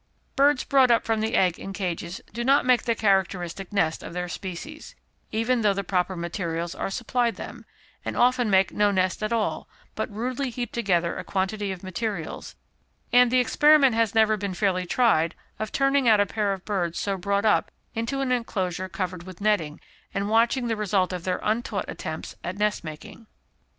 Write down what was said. Birds brought up from the egg in cages do not make the characteristic nest of their species, even though the proper materials are supplied them, and often make no nest at all, but rudely heap together a quantity of materials; and the experiment has never been fairly tried, of turning out a pair of birds so brought up, into an enclosure covered with netting, and watching the result of their untaught attempts at nest making.